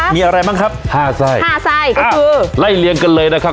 มีอะไรบ้างครับห้าไส้ห้าไส้ก็คือไล่เลียงกันเลยนะครับ